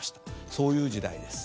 そういう時代です。